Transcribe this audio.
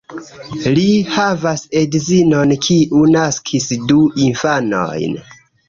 Li havas edzinon, kiu naskis du infanojn.